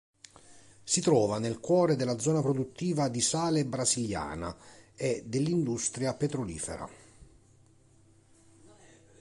Si trova nel cuore della zona produttiva di sale brasiliana e dell'industria petrolifera.